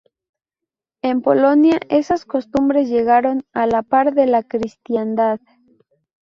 En Polonia esas costumbres llegaron a la par de la cristiandad.